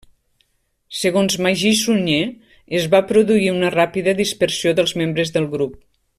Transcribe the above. Segons Magí Sunyer es va produir una ràpida dispersió dels membres del grup.